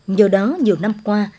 nhờ đó nhiều năm qua